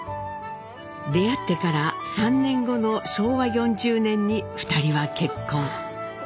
出会ってから３年後の昭和４０年に二人は結婚。